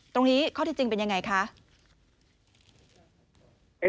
ตรงนี้ข้อที่จริงเป็นอย่างไรคะ